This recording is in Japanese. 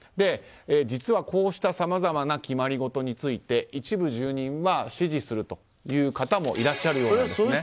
実はこうしたさまざまな決まりごとについて一部住人は支持する人もいらっしゃるようなんです。